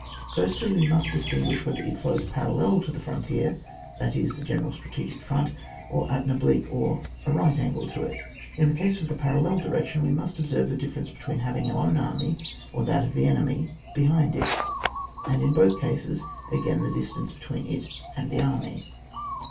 First we must distinguish whether it flows parallel to the frontier, that is, the general strategic front, or at an oblique or a right angle to it. In the case of the parallel direction we must observe the difference between having our own army or that of the enemy be hind it, and in both cases again the dis tance between it and the army.